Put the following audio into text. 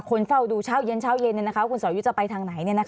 คนเฝ้าดูเช้าเย็นนะครับคุณสอยุทธ์จะไปทางไหน